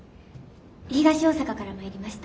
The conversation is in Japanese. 東大阪から参りました。